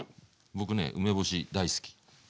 僕ね梅干し大好き。